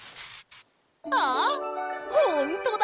あっほんとだ！